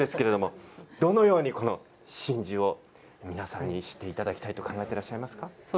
今後どのように真珠を皆さんに知っていただきたいと考えていますか？